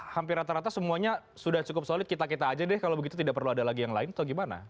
hampir rata rata semuanya sudah cukup solid kita kita aja deh kalau begitu tidak perlu ada lagi yang lain atau gimana